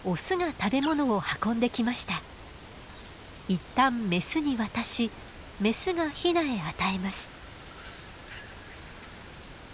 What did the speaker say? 一旦メスに渡しメスがヒナへ与えます。